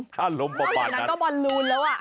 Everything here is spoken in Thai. ถ้าล้มป่อป่านนั้นอันนั้นก็บอลลูนแล้ว